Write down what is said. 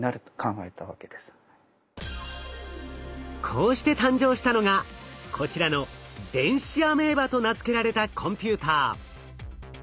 こうして誕生したのがこちらの「電子アメーバ」と名付けられたコンピューター。